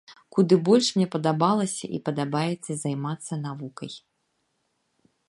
Куды больш мне падабалася і падабаецца займацца навукай.